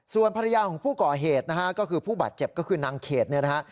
ส่วนภรรยาของผู้ก่อเหตุนะฮะก็คือผู้บาดเจ็บก็คือนางเขตเนี่ยนะฮะ